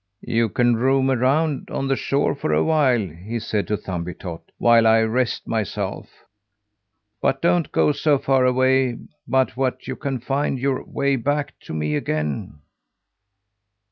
"You can roam around on the shore for a while," he said to Thumbietot, "while I rest myself. But don't go so far away but what you can find your way back to me again!"